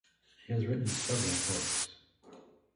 He has written several books.